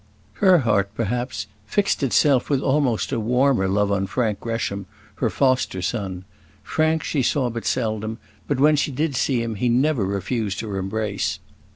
Her heart, perhaps, fixed itself with almost a warmer love on Frank Gresham, her foster son. Frank she saw but seldom, but when she did see him he never refused her embrace.